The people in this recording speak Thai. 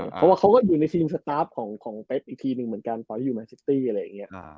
เพราะว่าเขาก็อยู่ในทีมสตาร์ฟของเป๊บอีกทีหนึ่งเหมือนกันตอนที่อยู่แมนซิตี้อะไรอย่างนี้